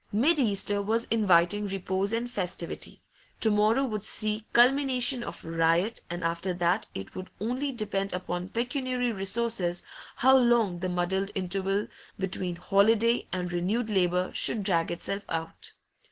Mid Easter was inviting repose and festivity; to morrow would see culmination of riot, and after that it would only depend upon pecuniary resources how long the muddled interval between holiday and renewed labour should drag itself out.